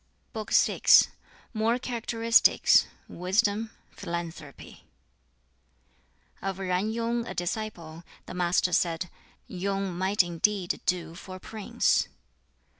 ] BOOK VI More Characteristics Wisdom Philanthropy Of Yen Yung, a disciple, the Master said, "Yung might indeed do for a prince!"